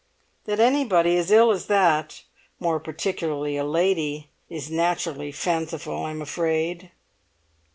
"That anybody as ill as that, more particularly a lady, is naturally fanciful, I'm afraid."